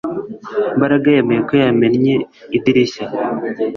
Mbaraga yemeye ko yamennye idirishya